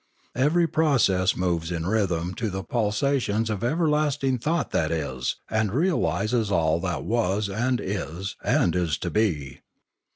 Every process moves in rhythm to the pulsations of everlasting thought that is, and realises all that was and is and is to be.